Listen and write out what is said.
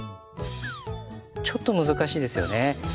ちょっと難しいですよねぇ。